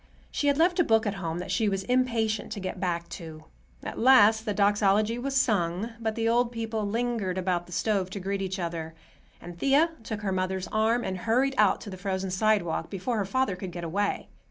She had left a book at home that she was impatient to get back to. At last the Doxology was sung, but the old people lingered about the stove to greet each other, and Thea took her mother's arm and hurried out to the frozen sidewalk, before her father could get away.